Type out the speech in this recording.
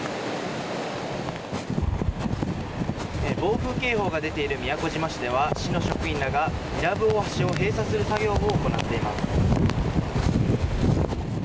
暴風警報が出ている宮古島市では市の職員らが伊良部大橋を閉鎖する作業を行っています。